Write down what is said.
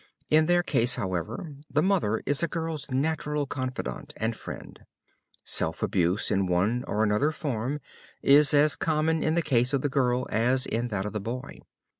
In their case, however, the mother is a girl's natural confidant and friend. Self abuse in one or another form is as common in the case of the girl as in that of the boy.